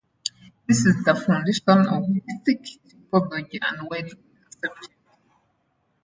This is the foundation of lithic typology and widely accepted.